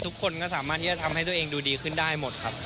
ทุกคนก็สามารถที่จะทำให้ตัวเองดูดีขึ้นได้หมดครับ